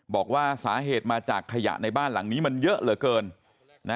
บอกว่าสาเหตุมาจากขยะในบ้านหลังนี้มันเยอะเหลือเกิน